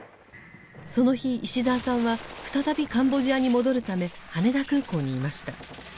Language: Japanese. その日石澤さんは再びカンボジアに戻るため羽田空港にいました。